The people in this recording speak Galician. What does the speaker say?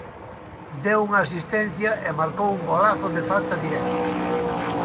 Deu unha asistencia e marcou un golazo de falta directa.